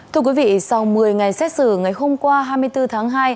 thưa quý vị sau một mươi ngày xét xử ngày hôm qua hai mươi bốn tháng hai